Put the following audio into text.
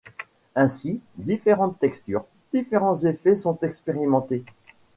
Ainsi, différentes textures, différents effets sont expérimentés.